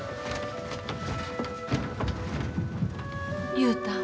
雄太